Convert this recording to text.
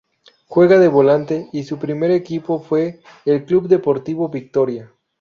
Juega de volante, y su primer equipo fue el Club Deportivo Victoria.